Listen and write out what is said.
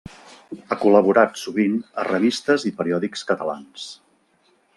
Ha col·laborat sovint a revistes i periòdics catalans.